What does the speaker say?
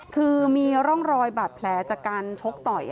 คือมีร่องรอยบาดแผลจากการชกต่อย